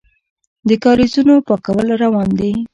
د کاریزونو پاکول روان دي؟